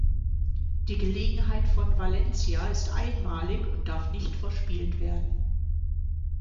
Die Gelegenheit von Valencia ist einmalig und darf nicht verspielt werden.